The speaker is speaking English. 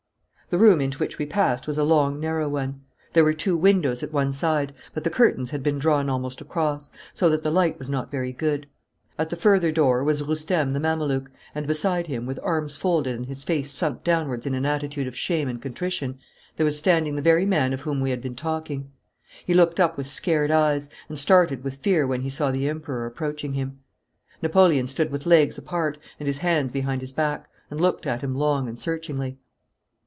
The room into which we passed was a long, narrow one. There were two windows at one side, but the curtains had been drawn almost across, so that the light was not very good. At the further door was Roustem the Mameluke, and beside him, with arms folded and his face sunk downwards in an attitude of shame and contrition, there was standing the very man of whom we had been talking. He looked up with scared eyes, and started with fear when he saw the Emperor approaching him. Napoleon stood with legs apart and his hands behind his back, and looked at him long and searchingly.